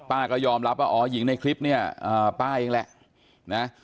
ป้าก็ยอมรับว่าอ๋อหญิงในคลิปเนี่ยป้าเองแหละนะ